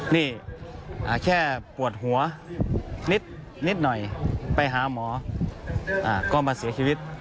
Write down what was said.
นี่แค่ปวดหัวนิดหน่อยไปหาหมอก็มาเสียชีวิต